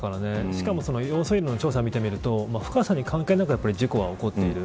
しかも調査を見ると深さに関係なく事故が起こっている。